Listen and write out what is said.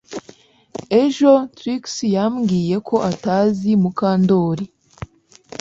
Ejo Trix yambwiye ko atazi Mukandoli